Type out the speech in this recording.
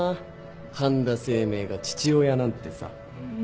半田清明が父親なんてさ。